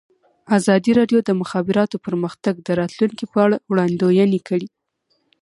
ازادي راډیو د د مخابراتو پرمختګ د راتلونکې په اړه وړاندوینې کړې.